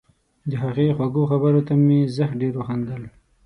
د هغې خوږو خبرو ته مې زښت ډېر وخندل